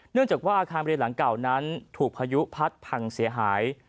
เนื่องจากว่าอาคารเรียนหลังเก่านั้นถูกพายุพัดพังเสียหาย